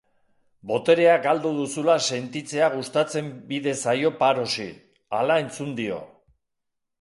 Boterea galdu duzula sentitzea gustatzen bide zaio Pharosi, hala entzun dio.